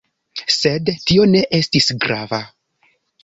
Sed tio ne estis grava.